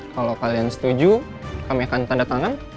kalau kalian setuju kami akan tanda tangan